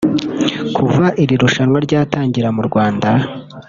Kuva iri rushanwa ryatangira mu Rwanda